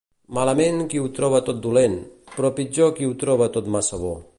Malament qui ho troba tot dolent; però pitjor qui ho troba tot massa bo.